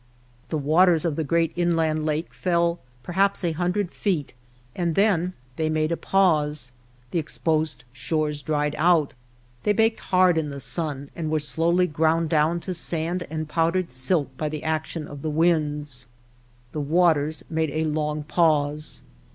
The waters of the great inland lake fell per haps a hundred feet and then they made a pause. The exposed shores dried out. They baked hard in the sun, and were slowly ground down to sand and powdered silt by the action of the winds. The waters made a long pause.